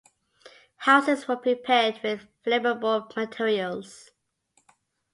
Houses were prepared with flammable materials.